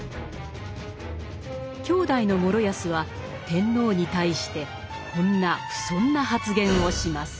兄弟の師泰は天皇に対してこんな不遜な発言をします。